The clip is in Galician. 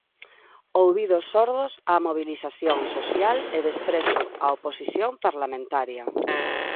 Ouvidos xordos á mobilización social e desprezo á oposición parlamentaria.